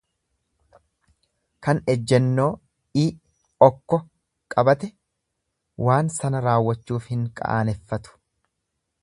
Kan ejjennoo iokko qabate waan san raawwachuuf hin qaaneffatu.